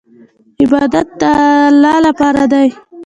عبادت د الله لپاره دی.